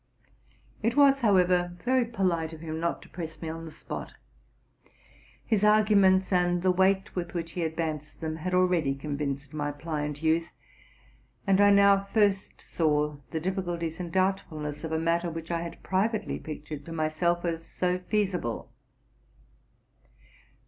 It was, however, very polite of him not to press me on the spot. His arguments, and the weight with which he ad vanced them, had already convinced my pliant youth; and I now first saw the difficulties and doubtfulness of a matter which I had privately pictured to myself as so feasible.